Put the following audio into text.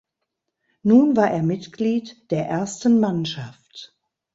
Nun war er Mitglied der ersten Mannschaft.